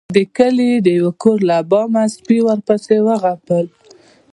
د کلي د يو کور له بامه سپي ورپسې وغپل.